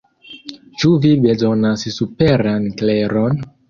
Ĉu vi bezonas superan kleron?